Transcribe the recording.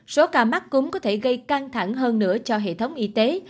số ca mắc cúm có thể gây căng thẳng hơn nữa cho hệ thống y tế